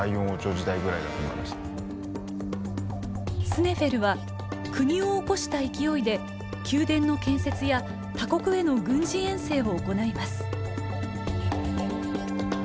スネフェルは国を興した勢いで宮殿の建設や他国への軍事遠征を行います。